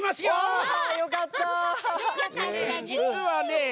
よかったね。